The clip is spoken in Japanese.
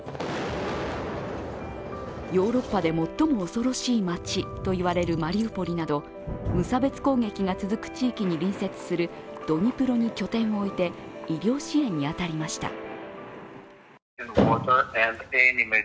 ヨーロッパで最も恐ろしい町といわれるマリウポリなど無差別攻撃が続く地域に隣接するドニプロに拠点を置いて医療支援に当たりました。